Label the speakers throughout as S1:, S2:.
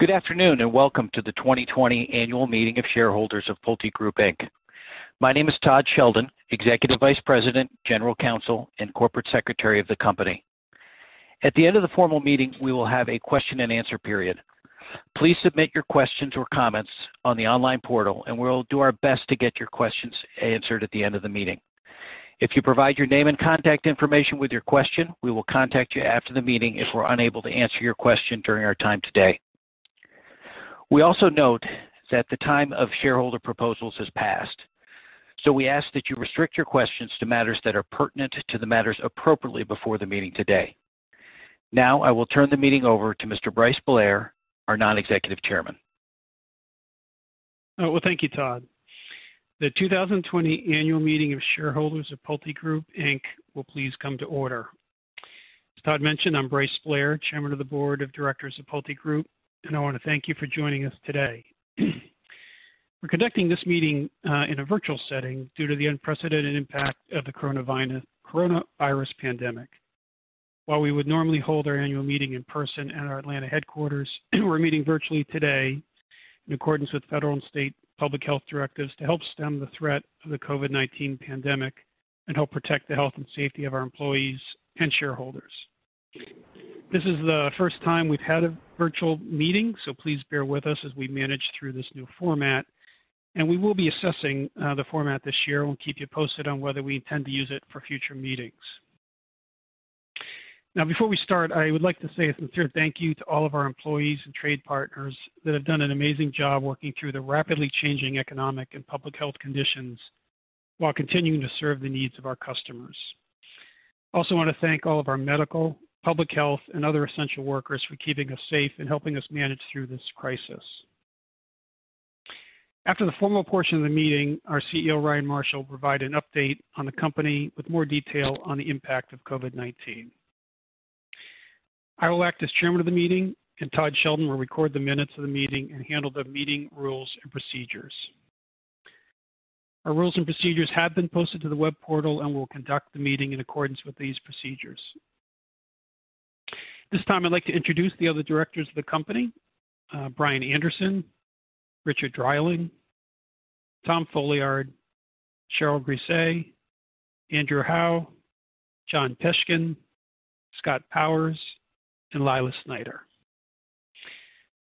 S1: Good afternoon, welcome to the 2020 annual meeting of shareholders of PulteGroup, Inc. My name is Todd Sheldon, Executive Vice President, General Counsel, and Corporate Secretary of the company. At the end of the formal meeting, we will have a question and answer period. Please submit your questions or comments on the online portal, and we will do our best to get your questions answered at the end of the meeting. If you provide your name and contact information with your question, we will contact you after the meeting if we're unable to answer your question during our time today. We also note that the time of shareholder proposals has passed. We ask that you restrict your questions to matters that are pertinent to the matters appropriately before the meeting today. Now, I will turn the meeting over to Mr. Bryce Blair, our Non-Executive Chairman.
S2: Well, thank you, Todd. The 2020 annual meeting of shareholders of PulteGroup, Inc. will please come to order. As Todd mentioned, I'm Bryce Blair, chairman of the board of directors of PulteGroup, and I want to thank you for joining us today. We're conducting this meeting in a virtual setting due to the unprecedented impact of the coronavirus pandemic. While we would normally hold our annual meeting in person at our Atlanta headquarters, we're meeting virtually today in accordance with federal and state public health directives to help stem the threat of the COVID-19 pandemic and help protect the health and safety of our employees and shareholders. This is the first time we've had a virtual meeting, so please bear with us as we manage through this new format. We will be assessing the format this year. We'll keep you posted on whether we intend to use it for future meetings. Before we start, I would like to say a sincere thank you to all of our employees and trade partners that have done an amazing job working through the rapidly changing economic and public health conditions while continuing to serve the needs of our customers. Want to thank all of our medical, public health, and other essential workers for keeping us safe and helping us manage through this crisis. After the formal portion of the meeting, our CEO, Ryan Marshall, will provide an update on the company with more detail on the impact of COVID-19. I will act as chairman of the meeting, and Todd Sheldon will record the minutes of the meeting and handle the meeting rules and procedures. Our rules and procedures have been posted to the web portal, and we'll conduct the meeting in accordance with these procedures. This time, I'd like to introduce the other directors of the company, Brian Anderson, Richard Dreiling, Tom Folliard, Cheryl Grisé, André Hawaux, John Peshkin, Scott Powers, and Lila Snyder.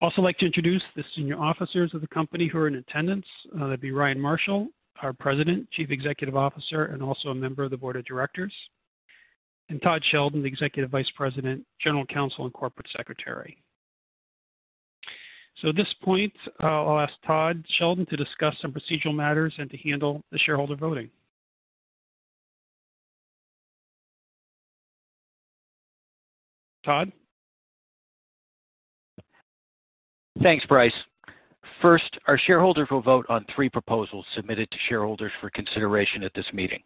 S2: Also like to introduce the senior officers of the company who are in attendance. That'd be Ryan Marshall, our President, Chief Executive Officer, and also a member of the board of directors, and Todd Sheldon, the Executive Vice President, General Counsel, and Corporate Secretary. At this point, I'll ask Todd Sheldon to discuss some procedural matters and to handle the shareholder voting. Todd?
S1: Thanks, Bryce. First, our shareholders will vote on three proposals submitted to shareholders for consideration at this meeting.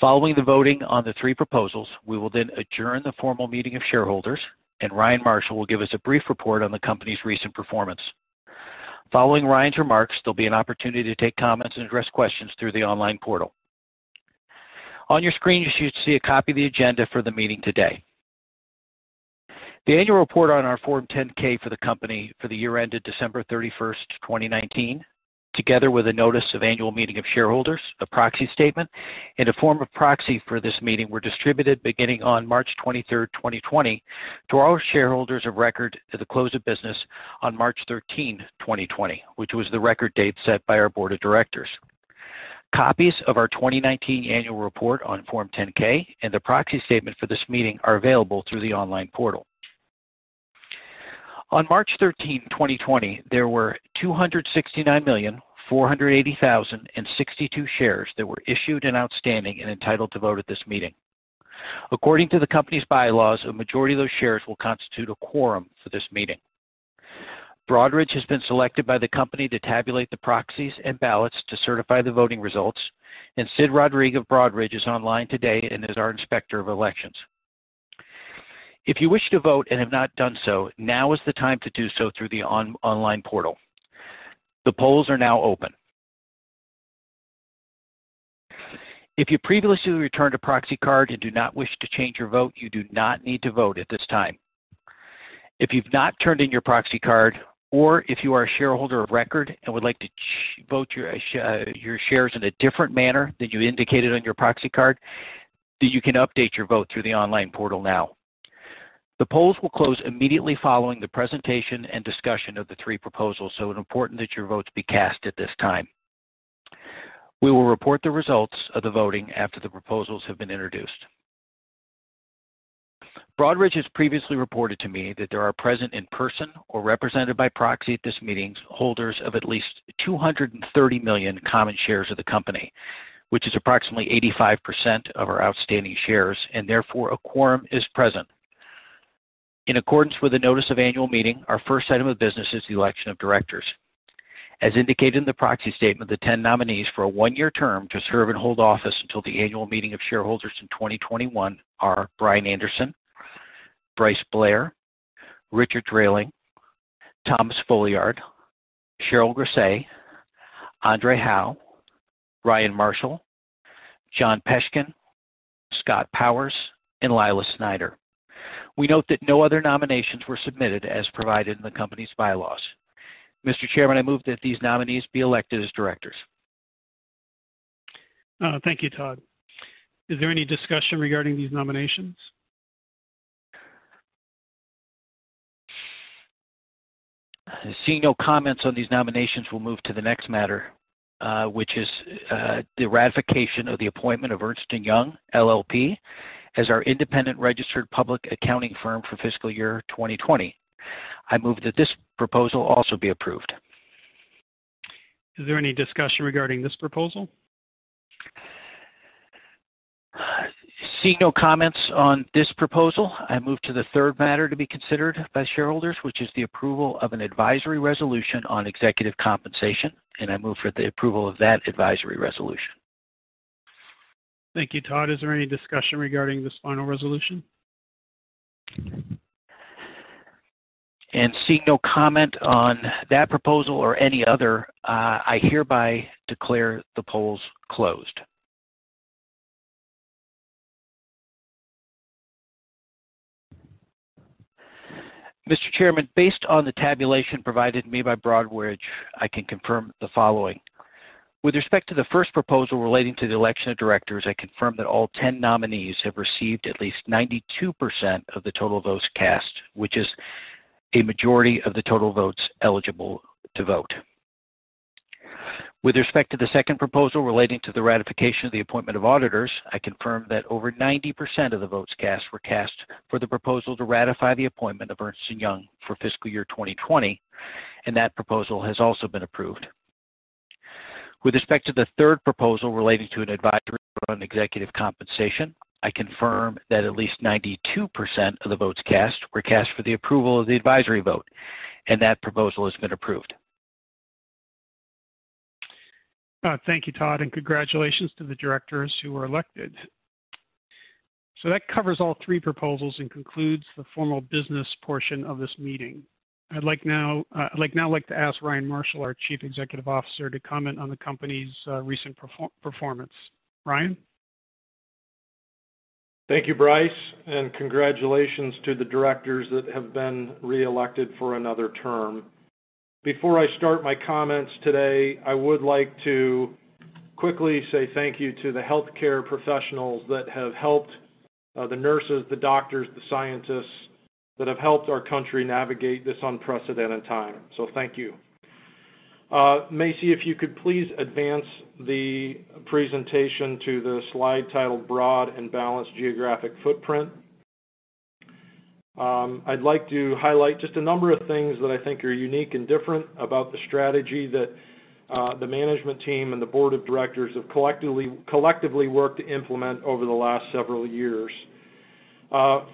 S1: Following the voting on the three proposals, we will then adjourn the formal meeting of shareholders, and Ryan Marshall will give us a brief report on the company's recent performance. Following Ryan's remarks, there'll be an opportunity to take comments and address questions through the online portal. On your screen, you should see a copy of the agenda for the meeting today. The annual report on our Form 10-K for the company for the year ended December 31st, 2019, together with a notice of annual meeting of shareholders, a proxy statement, and a form of proxy for this meeting were distributed beginning on March 23rd, 2020 to all shareholders of record at the close of business on March 13, 2020, which was the record date set by our board of directors. Copies of our 2019 annual report on Form 10-K and the proxy statement for this meeting are available through the online portal. On March 13th, 2020, there were 269,480,062 shares that were issued and outstanding and entitled to vote at this meeting. According to the company's bylaws, a majority of those shares will constitute a quorum for this meeting. Broadridge has been selected by the company to tabulate the proxies and ballots to certify the voting results, and Sid Rodrigue of Broadridge is online today and is our inspector of elections. If you wish to vote and have not done so, now is the time to do so through the online portal. The polls are now open. If you previously returned a proxy card and do not wish to change your vote, you do not need to vote at this time. If you've not turned in your proxy card, or if you are a shareholder of record and would like to vote your shares in a different manner than you indicated on your proxy card, you can update your vote through the online portal now. The polls will close immediately following the presentation and discussion of the three proposals, it's important that your votes be cast at this time. We will report the results of the voting after the proposals have been introduced. Broadridge has previously reported to me that there are present in person or represented by proxy at this meeting holders of at least 230 million common shares of the company, which is approximately 85% of our outstanding shares, and therefore, a quorum is present. In accordance with the notice of annual meeting, our first item of business is the election of directors. As indicated in the proxy statement, the 10 nominees for a one-year term to serve and hold office until the annual meeting of shareholders in 2021 are Brian Anderson, Bryce Blair, Richard Dreiling, Thomas Folliard, Cheryl Grisé, André Hawaux, Ryan Marshall, John Peshkin, Scott Powers, and Lila Snyder. We note that no other nominations were submitted as provided in the company's bylaws. Mr. Chairman, I move that these nominees be elected as directors.
S2: Thank you, Todd. Is there any discussion regarding these nominations?
S1: Seeing no comments on these nominations, we'll move to the next matter, which is the ratification of the appointment of Ernst & Young LLP as our independent registered public accounting firm for fiscal year 2020. I move that this proposal also be approved.
S2: Is there any discussion regarding this proposal?
S1: Seeing no comments on this proposal, I move to the third matter to be considered by shareholders, which is the approval of an advisory resolution on executive compensation, and I move for the approval of that advisory resolution.
S2: Thank you, Todd. Is there any discussion regarding this final resolution?
S1: Seeing no comment on that proposal or any other, I hereby declare the polls closed. Mr. Chairman, based on the tabulation provided me by Broadridge, I can confirm the following. With respect to the first proposal relating to the election of directors, I confirm that all 10 nominees have received at least 92% of the total votes cast, which is a majority of the total votes eligible to vote. With respect to the second proposal relating to the ratification of the appointment of auditors, I confirm that over 90% of the votes cast were cast for the proposal to ratify the appointment of Ernst & Young for fiscal year 2020, and that proposal has also been approved. With respect to the third proposal relating to an advisory vote on executive compensation, I confirm that at least 92% of the votes cast were cast for the approval of the advisory vote, and that proposal has been approved.
S2: Thank you, Todd, congratulations to the directors who were elected. That covers all three proposals and concludes the formal business portion of this meeting. I'd now like to ask Ryan Marshall, our Chief Executive Officer, to comment on the company's recent performance. Ryan?
S3: Thank you, Bryce, and congratulations to the directors that have been reelected for another term. Before I start my comments today, I would like to quickly say thank you to the healthcare professionals that have helped, the nurses, the doctors, the scientists that have helped our country navigate this unprecedented time. Thank you. Macy, if you could please advance the presentation to the slide titled Broad and Balanced Geographic Footprint. I'd like to highlight just a number of things that I think are unique and different about the strategy that the management team and the board of directors have collectively worked to implement over the last several years.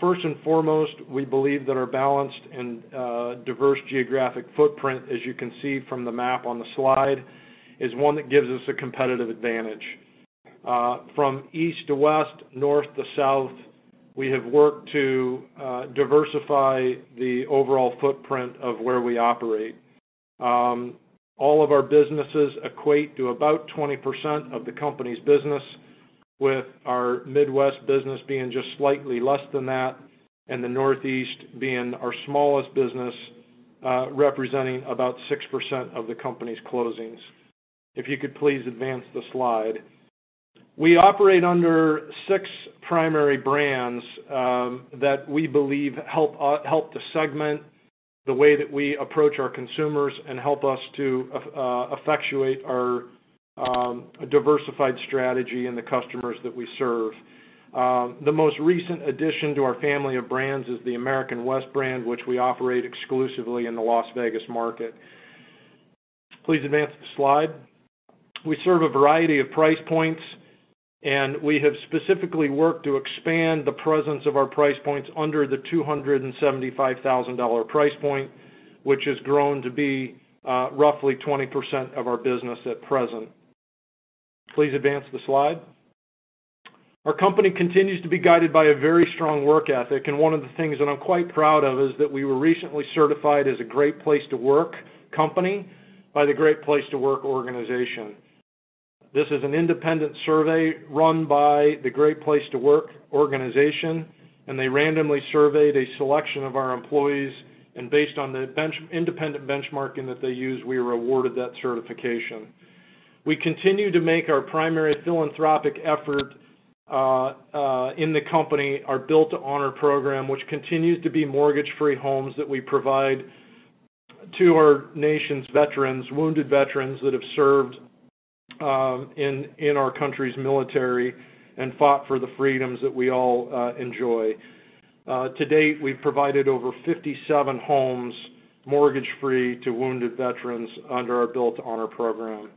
S3: First and foremost, we believe that our balanced and diverse geographic footprint, as you can see from the map on the slide, is one that gives us a competitive advantage. From east to west, north to south, we have worked to diversify the overall footprint of where we operate. All of our businesses equate to about 20% of the company's business, with our Midwest business being just slightly less than that, and the Northeast being our smallest business, representing about 6% of the company's closings. If you could please advance the slide. We operate under six primary brands that we believe help to segment the way that we approach our consumers and help us to effectuate our diversified strategy in the customers that we serve. The most recent addition to our family of brands is the American West brand, which we operate exclusively in the Las Vegas market. Please advance the slide. We serve a variety of price points, and we have specifically worked to expand the presence of our price points under the $275,000 price point, which has grown to be roughly 20% of our business at present. Please advance the slide. Our company continues to be guided by a very strong work ethic, and one of the things that I'm quite proud of is that we were recently certified as a Great Place to Work company by the Great Place to Work organization. This is an independent survey run by the Great Place to Work organization, and they randomly surveyed a selection of our employees, and based on the independent benchmarking that they use, we were awarded that certification. We continue to make our primary philanthropic effort in the company our Built to Honor program, which continues to be mortgage-free homes that we provide to our nation's veterans, wounded veterans that have served in our country's military and fought for the freedoms that we all enjoy. To date, we've provided over 57 homes mortgage-free to wounded veterans under our Built to Honor program.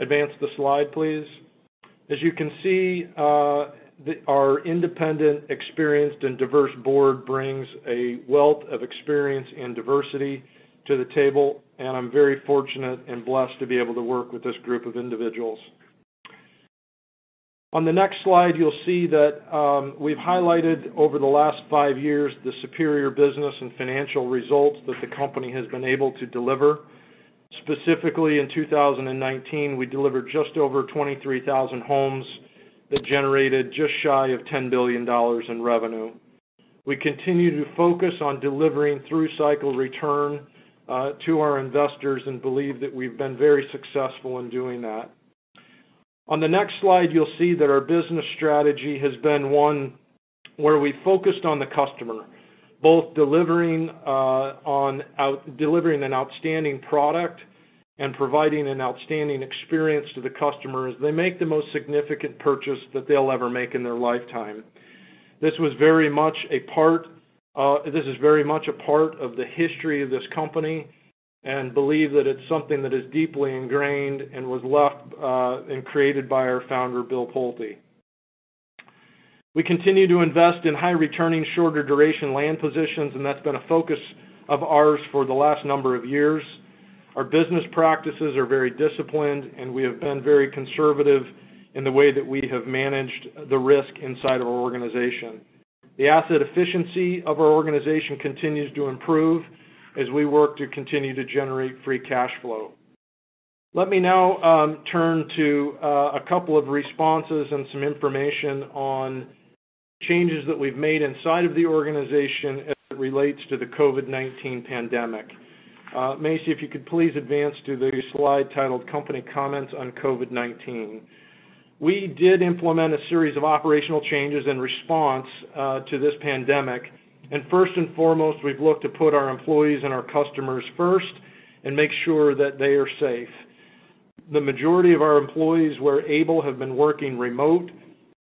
S3: Advance the slide, please. As you can see, our independent, experienced, and diverse board brings a wealth of experience and diversity to the table, and I'm very fortunate and blessed to be able to work with this group of individuals. On the next slide, you'll see that we've highlighted over the last five years the superior business and financial results that the company has been able to deliver. Specifically, in 2019, we delivered just over 23,000 homes that generated just shy of $10 billion in revenue. We continue to focus on delivering through cycle return to our investors, and believe that we've been very successful in doing that. On the next slide, you'll see that our business strategy has been one where we focused on the customer, both delivering an outstanding product and providing an outstanding experience to the customer as they make the most significant purchase that they'll ever make in their lifetime. This is very much a part of the history of this company, and believe that it's something that is deeply ingrained and was left and created by our founder, Bill Pulte. We continue to invest in high-returning, shorter duration land positions, and that's been a focus of ours for the last number of years. Our business practices are very disciplined, and we have been very conservative in the way that we have managed the risk inside our organization. The asset efficiency of our organization continues to improve as we work to continue to generate free cash flow. Let me now turn to a couple of responses and some information on changes that we've made inside of the organization as it relates to the COVID-19 pandemic. Macy, if you could please advance to the slide titled "Company Comments on COVID-19." We did implement a series of operational changes in response to this pandemic. First and foremost, we've looked to put our employees and our customers first and make sure that they are safe. The majority of our employees, where able, have been working remote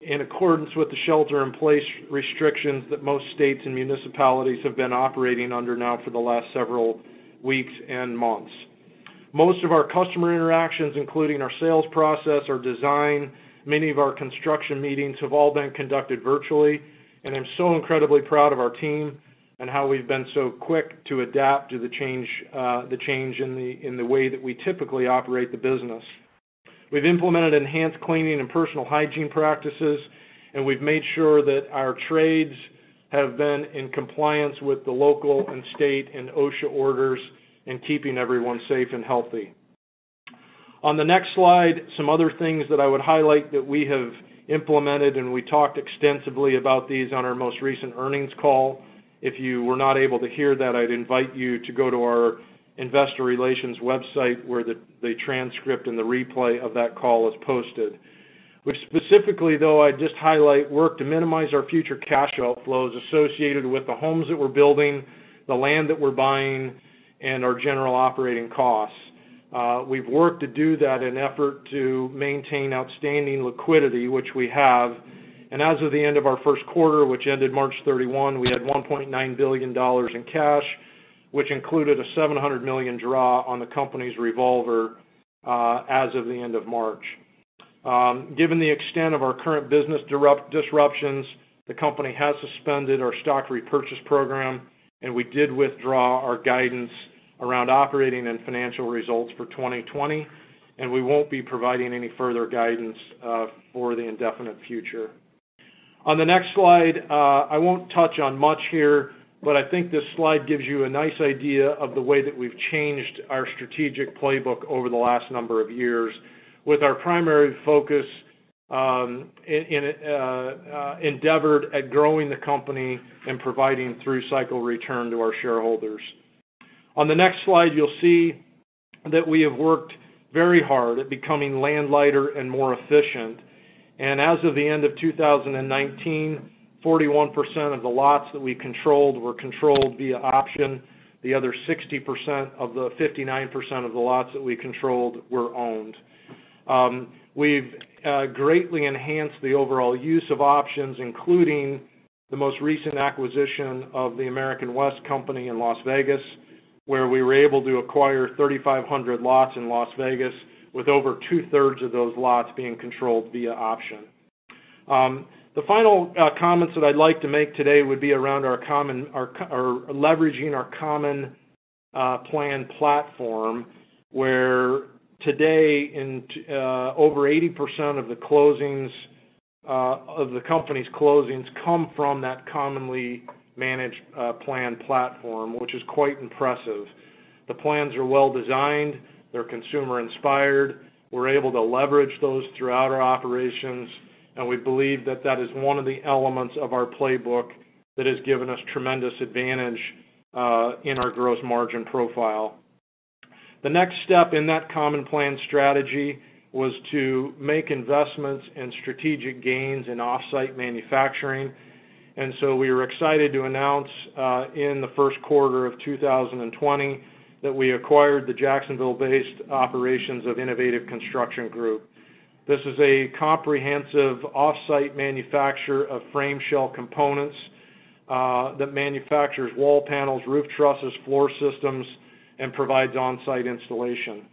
S3: in accordance with the shelter-in-place restrictions that most states and municipalities have been operating under now for the last several weeks and months. Most of our customer interactions, including our sales process, our design, many of our construction meetings, have all been conducted virtually. I'm so incredibly proud of our team and how we've been so quick to adapt to the change in the way that we typically operate the business. We've implemented enhanced cleaning and personal hygiene practices. We've made sure that our trades have been in compliance with the local and state and OSHA orders in keeping everyone safe and healthy. On the next slide, some other things that I would highlight that we have implemented. We talked extensively about these on our most recent earnings call. If you were not able to hear that, I'd invite you to go to our investor relations website where the transcript and the replay of that call is posted. Specifically, though, I'd just highlight work to minimize our future cash outflows associated with the homes that we're building, the land that we're buying, and our general operating costs. We've worked to do that in effort to maintain outstanding liquidity, which we have. As of the end of our Q1, which ended March 31st, we had $1.9 billion in cash, which included a $700 million draw on the company's revolver as of the end of March. Given the extent of our current business disruptions, the company has suspended our stock repurchase program, and we did withdraw our guidance around operating and financial results for 2020, and we won't be providing any further guidance for the indefinite future. On the next slide, I won't touch on much here, but I think this slide gives you a nice idea of the way that we've changed our strategic playbook over the last number of years with our primary focus endeavored at growing the company and providing through-cycle return to our shareholders. On the next slide, you'll see that we have worked very hard at becoming land lighter and more efficient. As of the end of 2019, 41% of the lots that we controlled were controlled via option. The other 60% of the 59% of the lots that we controlled were owned. We've greatly enhanced the overall use of options, including the most recent acquisition of the American West Company in Las Vegas, where we were able to acquire 3,500 lots in Las Vegas with over two-thirds of those lots being controlled via option. The final comments that I'd like to make today would be around leveraging our common plan platform, where today over 80% of the company's closings come from that commonly managed plan platform, which is quite impressive. The plans are well-designed. They're consumer-inspired. We're able to leverage those throughout our operations, and we believe that that is one of the elements of our playbook that has given us tremendous advantage in our gross margin profile. The next step in that common plan strategy was to make investments in strategic gains in off-site manufacturing. We were excited to announce in the Q1 of 2020 that we acquired the Jacksonville-based operations of Innovative Construction Group. This is a comprehensive off-site manufacturer of frame shell components that manufactures wall panels, roof trusses, floor systems, and provides on-site installation.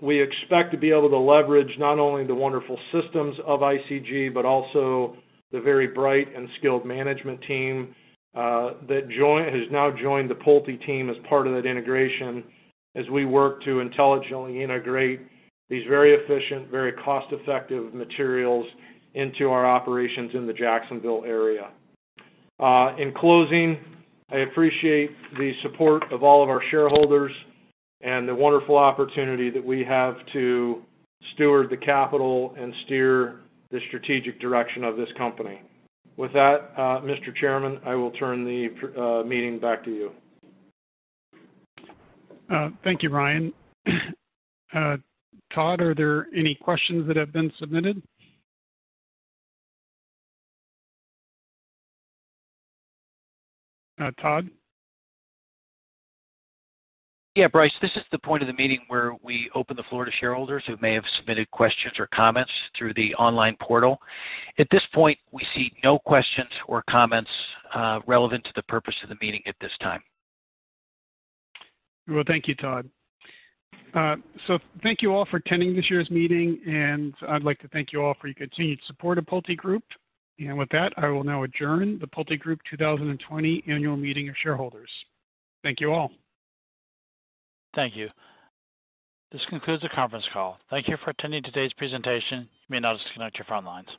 S3: We expect to be able to leverage not only the wonderful systems of ICG, but also the very bright and skilled management team that has now joined the Pulte team as part of that integration as we work to intelligently integrate these very efficient, very cost-effective materials into our operations in the Jacksonville area. In closing, I appreciate the support of all of our shareholders and the wonderful opportunity that we have to steward the capital and steer the strategic direction of this company. With that, Mr. Chairman, I will turn the meeting back to you.
S2: Thank you, Ryan. Todd, are there any questions that have been submitted? Todd?
S1: Yeah, Bryce, this is the point of the meeting where we open the floor to shareholders who may have submitted questions or comments through the online portal. At this point, we see no questions or comments relevant to the purpose of the meeting at this time.
S2: Well, thank you, Todd. Thank you all for attending this year's meeting, and I'd like to thank you all for your continued support of PulteGroup. With that, I will now adjourn the PulteGroup 2020 Annual Meeting of Shareholders. Thank you all.
S1: Thank you. This concludes the conference call. Thank you for attending today's presentation. You may now disconnect your phone lines.